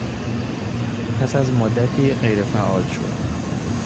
پس از مدتی غیر فعال شد